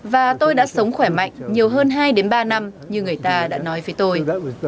và tôi đã sống khỏe mạnh nhiều hơn hai ba năm như người ta đã nói với tôi